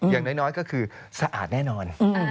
อย่างน้อยก็คือสะอาดแน่นอน